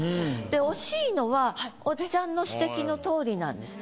で惜しいのはおっちゃんの指摘のとおりなんです。